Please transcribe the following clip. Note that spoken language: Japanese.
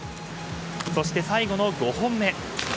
そして、最後の５本目。